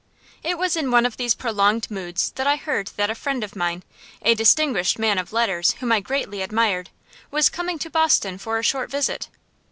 It was in one of these prolonged moods that I heard that a friend of mine, a distinguished man of letters whom I greatly admired, was coming to Boston for a short visit.